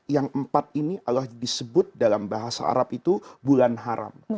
yang empat ini allah disebut dalam bahasa arab itu bulan haram